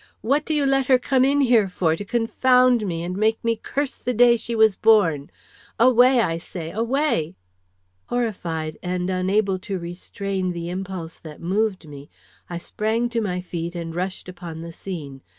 What do you let her come in here for, to confound me and make me curse the day she was born! Away! I say, away!" Horrified, and unable to restrain the impulse that moved me, I sprang to my feet and rushed upon the scene.